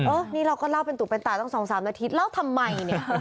นี่เราก็เล่าเป็นตุเป็นตาตั้ง๒๓นาทีแล้วทำไมเนี่ย